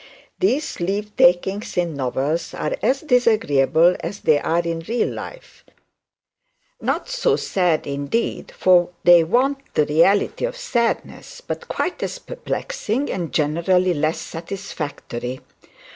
These leave takings in novels are as disagreeable as they are in real life; not so sad, indeed, for they want the reality of sadness; but quite as perplexing, and generally less satisfactory.